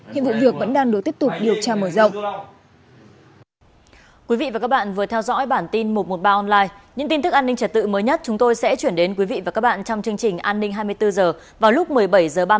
hiện vụ việc vẫn đang được tiếp tục điều tra mở rộng